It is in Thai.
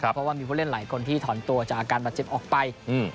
เพราะว่ามีผู้เล่นหลายคนที่ถอนตัวจากอาการบาดเจ็บออกไป